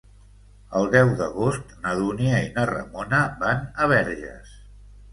El deu d'agost na Dúnia i na Ramona van a Verges.